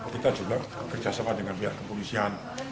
kita juga kerjasama dengan pihak kepolisian